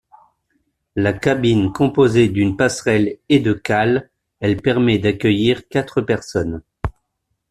La cabine composée d’une passerelle et de cales, elle permet d’accueillir quatre personnes.